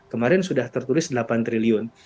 kemarin sudah tertulis delapan triliun